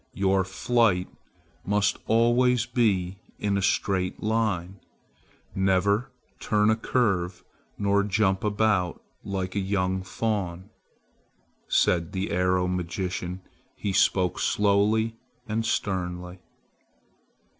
Your flight must always be in a straight line. Never turn a curve nor jump about like a young fawn," said the arrow magician. He spoke slowly and sternly.